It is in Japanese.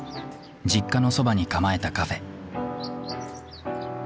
実家のそばに構えたカフェ。